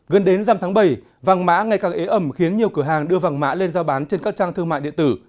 gần đến dăm tháng bảy vàng mã ngày càng ế ẩm khiến nhiều cửa hàng đưa vàng mã lên giao bán trên các trang thương mại điện tử